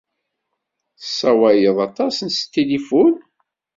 Tsawaleḍ aṭas s tilifun?